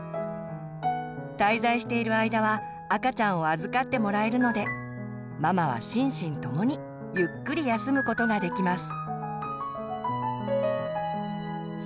滞在している間は赤ちゃんを預かってもらえるのでママは心身ともにゆっくり休むことができます。